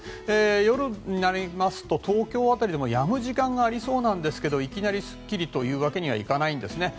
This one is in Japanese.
夜になりますと東京辺りでもやむ時間がありそうなんですけどいきなりすっきりというわけにはいかないんですね。